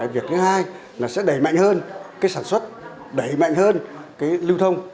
việc thứ hai là sẽ đẩy mạnh hơn sản xuất đẩy mạnh hơn lưu thông